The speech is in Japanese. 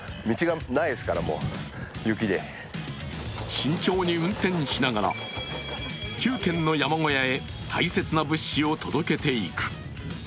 慎重に運転しながら９軒の山小屋へ大切な物資を届けていく。